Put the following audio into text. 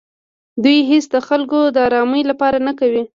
دوی هېڅې د خلکو د ارامۍ لپاره نه کوي.